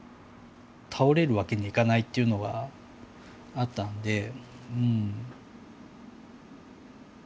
倒れるわけにいかないっていうのがあったので。